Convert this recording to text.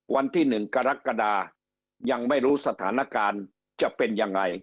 วันที่๑กรกฎายังไม่รู้สถานการณ์จะเป็นยังไง